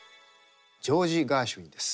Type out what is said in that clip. ジョージ・ガーシュウィンです。